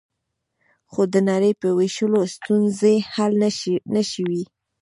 خو د نړۍ په وېشلو ستونزې حل نه شوې